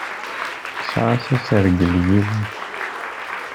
Kkseɣ-as asergel i yiwet.